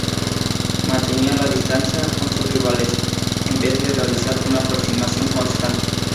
Mantenía la distancia con sus rivales en vez de realizar una aproximación constante.